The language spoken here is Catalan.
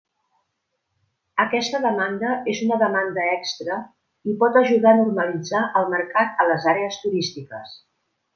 Aquesta demanda és una demanda extra i pot ajudar a normalitzar el mercat en les àrees turístiques.